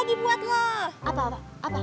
betul makanya estamos jegi